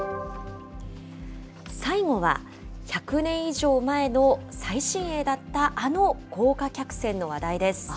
最後は、１００年以上前の最新鋭だった、あの豪華客船の話題です。